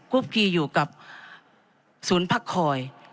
ุ๊กกีอยู่กับศูนย์พักคอย